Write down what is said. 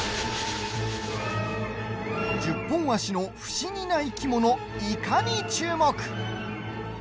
１０本足の不思議な生き物イカに注目。